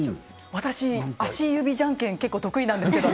私、足指じゃんけんが得意なんですけど。